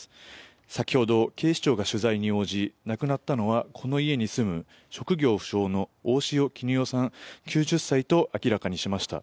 先ほど、警視庁が取材に応じ亡くなったのはこの家に住む、職業不詳の大塩衣興さんと明らかにしました。